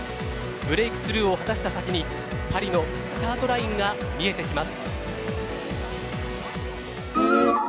ブレークスルーを果たした先にパリのスタートラインが見えてきます。